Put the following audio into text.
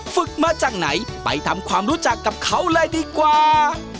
ฝึกมาจากไหนไปทำความรู้จักกับเขาเลยดีกว่า